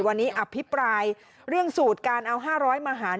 วันนี้อภิปรายเรื่องสูตรการเอา๕๐๐มาหาร